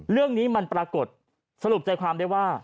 เรื่องนี้มันปรากฏสรุปใจความได้ว่า